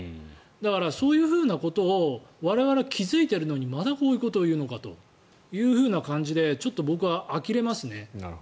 だから、そういうふうなことを我々、気付いているのにまだこういうことを言うのかという感じでちょっと僕はあきれますね。